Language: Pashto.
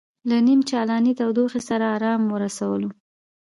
له نیم چالانې تودوخې سره ارام ورسولو.